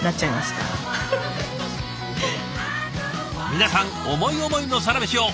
皆さん思い思いのサラメシを！